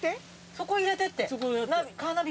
「そこ入れて」って。